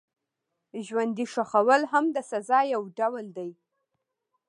ژوندي ښخول هم د سزا یو ډول و.